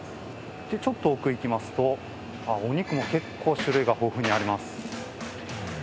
ちょっと奥行きますとお肉も結構種類が豊富にあります。